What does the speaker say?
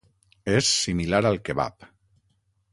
És similar al kebab.